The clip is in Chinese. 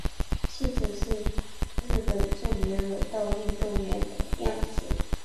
妻子是日本著名柔道运动员谷亮子。